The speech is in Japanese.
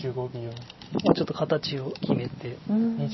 ちょっと形を決めて。